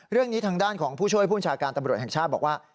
เรื่องนี้ทางด้านของผู้ช่วยผู้บัญชาการตำรวจแห่งชาติบอกว่า